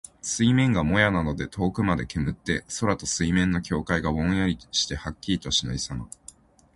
水面がもやなどで遠くまで煙って、空と水面の境界がぼんやりしてはっきりとしないさま。